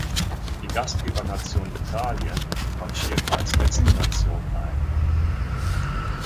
Die Gastgebernation Italien marschierte als letzte Nation ein.